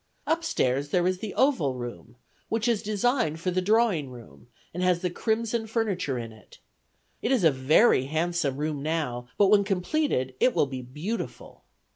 Up stairs there is the oval room, which is designed for the drawing room, and has the crimson furniture in it. It is a very handsome room now; but when completed, it will be beautiful.